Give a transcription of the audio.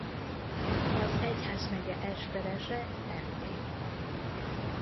Az egyházmegye esperese Nt.